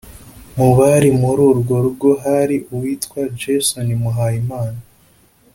Mubari muri urwo rugo hari uwitwa Jason Muhayimana